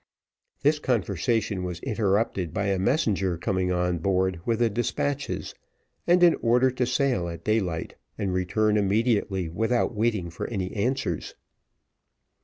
This conversation was interrupted by a messenger coming on board with the despatches, and an order to sail at daylight, and return immediately without waiting for any answers.